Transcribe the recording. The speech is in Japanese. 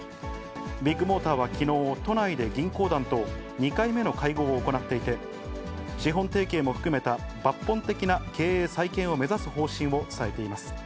ビッグモーターはきのう、都内で銀行団と２回目の会合を行っていて、資本提携も含めた抜本的な経営再建を目指す方針を伝えています。